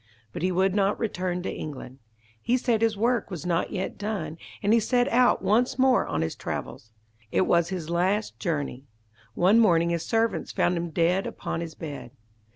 But he would not return to England. He said his work was not yet done, and he set out once more on his travels. It was his last journey. One morning his servants found him dead upon his bed.